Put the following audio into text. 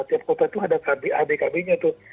tiap kota itu ada adkb nya tuh